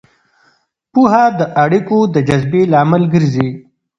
پوهه د اړیکو د جذبې لامل ګرځي.